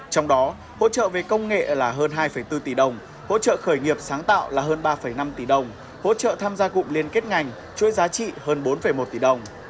trong đó hỗ trợ về công nghệ là hơn hai bốn tỷ đồng hỗ trợ khởi nghiệp sáng tạo là hơn ba năm tỷ đồng hỗ trợ tham gia cụm liên kết ngành chuỗi giá trị hơn bốn một tỷ đồng